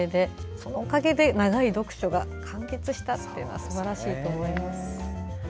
そのおかげで長い読書が完結したというのはすばらしいですね。